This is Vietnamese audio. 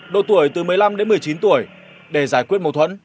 độ tuổi từ một mươi năm đến một mươi chín tuổi để giải quyết mâu thuẫn